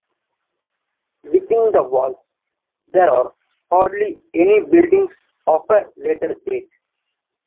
Within the walls there are hardly any buildings of a later date.